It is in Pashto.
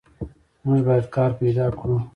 موږ باید کار پیدا کړو.